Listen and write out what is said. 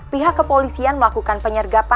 pihak kepolisian melakukan penyelenggaraan